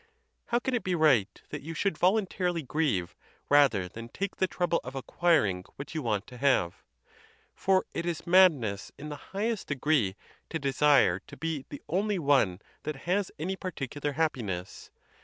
How can it be right that you should voluntarily grieve, rather than take the trouble of acquiring what you want to have? for it is madness in the highest degree to desire to be the only one that has any particular happiness.